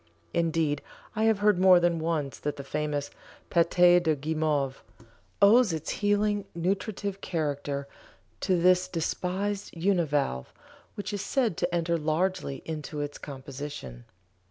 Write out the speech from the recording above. Indeed I have heard more than once that the famous "Pâte de Guimauve" owes its healing nutritive character to this despised univalve, which is said to enter largely into its composition.